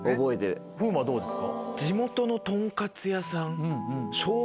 風磨どうですか？